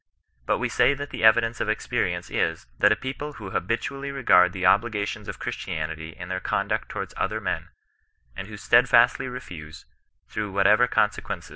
But we say that the evidence of experience is, that n people who habitually regard the obligations of Chiistianity in their conduct towards other men, and who itcsdfastly refuse, through whatever consequence!